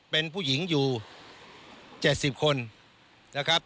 เป็นผู้หญิงอยู่๗๐คนนะครับ